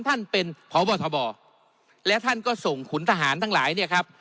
ท่านเป็นพบทบและท่านก็ส่งขุนทหารทั้งหลายเนี่ยครับ